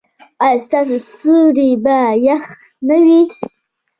ایا ستاسو سیوري به يخ نه وي؟